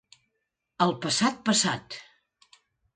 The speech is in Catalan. El passat, passat.